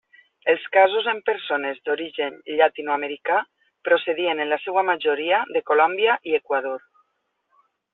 Els casos en persones d'origen llatinoamericà procedien en la seua majoria de Colòmbia i Equador.